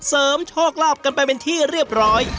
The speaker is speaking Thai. โชคลาภกันไปเป็นที่เรียบร้อย